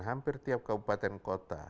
hampir tiap kabupaten kota